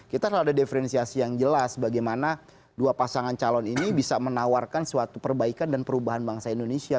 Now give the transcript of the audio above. kita harus ada diferensiasi yang jelas bagaimana dua pasangan calon ini bisa menawarkan suatu perbaikan dan perubahan bangsa indonesia